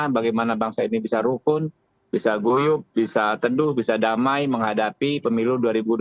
bagaimana bangsa ini bisa rukun bisa guyup bisa teduh bisa damai menghadapi pemilu dua ribu dua puluh